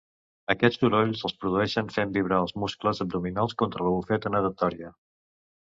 Aquests sorolls els produeixen fent vibrar els muscles abdominals contra la bufeta natatòria.